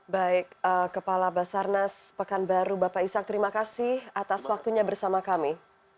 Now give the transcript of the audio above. baik kepala basarnas pekanbaru bapak ishak terima kasih atas waktunya bersama kami